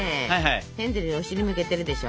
ヘンゼルにお尻向けてるでしょ？